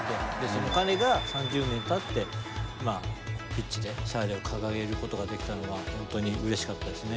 その彼が３０年たってまあピッチでシャーレを掲げることができたのは本当にうれしかったですね。